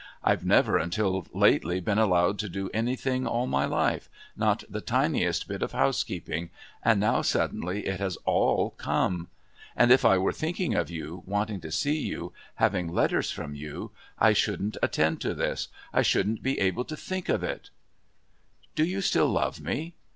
I've never until lately been allowed to do anything all my life, not the tiniest bit of housekeeping, and now suddenly it has all come. And if I were thinking of you, wanting to see you, having letters from you, I shouldn't attend to this; I shouldn't be able to think of it " "Do you still love me?"